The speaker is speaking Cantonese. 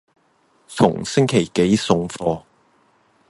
逢星期幾送貨？